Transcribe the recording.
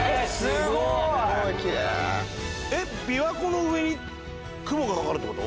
すごい！えっ琵琶湖の上に雲がかかるってこと？